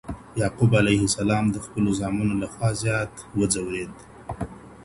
يعقوب عليه السلام د خپلو زامنو لخوا زيات وځورېد.